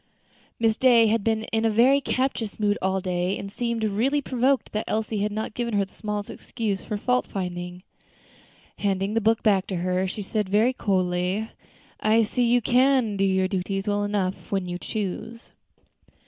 Miss Day had been in a very captious mood all day, and seemed really provoked that Elsie had not given her the smallest excuse for fault finding. Handing the book back to her, she said, very coldly, "I see you can do your duties well enough when you choose."